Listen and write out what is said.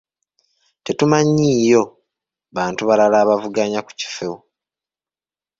Tetumanyiiyo bantu balala bavuganya ku kifo.